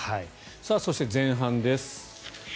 そして、前半です。